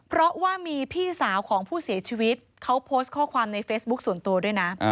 เพราะว่ามีพี่สาวของผู้เสียชีวิตเขาโพสต์ข้อความในเฟซบุ๊คส่วนตัวด้วยนะ